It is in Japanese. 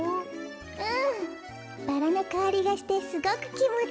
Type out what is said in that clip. うんバラのかおりがしてすごくきもちいい。